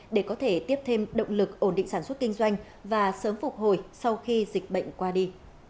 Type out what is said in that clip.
để có thể tiếp thêm động lực ổn định sản xuất kinh doanh và sớm phục hồi sau khi dịch bệnh qua đi